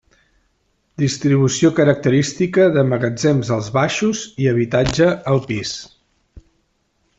Distribució característica de magatzem als baixos i habitatge al pis.